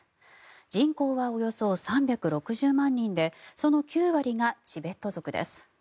人口はおよそ３６０万人でその９割がチベット族です。